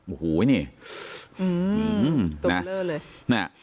โอ้โหไอ้นี่อืมตกเลอเลยน่ะ